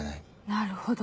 なるほど。